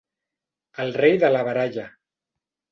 El rei de la baralla.